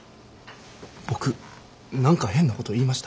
僕何か変なこと言いました？